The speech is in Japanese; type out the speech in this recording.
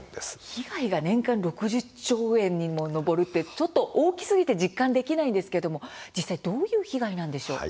被害が年間６０兆円以上に上るって大きすぎて実感できないんですが実際どういう被害なんですか？